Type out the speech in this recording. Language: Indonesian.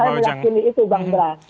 saya meyakini itu bang bra